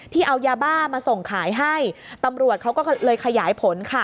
เอายาบ้ามาส่งขายให้ตำรวจเขาก็เลยขยายผลค่ะ